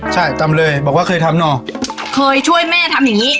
ใช่จำเลยบอกว่าเคยทำเหรอเคยช่วยแม่ทำอย่างงี้